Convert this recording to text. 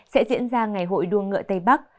sẽ diễn ra ngày hội đua ngựa tây bắc